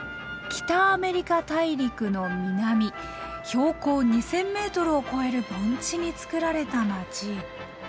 北アメリカ大陸の南標高２，０００ｍを超える盆地につくられた街。